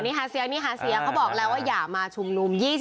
นี่หาเสียนี่หาเสียเขาบอกแล้วว่าอย่ามาชุมนุม